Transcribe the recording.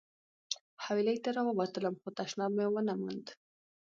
حویلۍ ته راووتلم خو تشناب مې ونه موند.